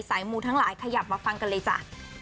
มูทั้งหลายขยับมาฟังกันเลยจ้ะ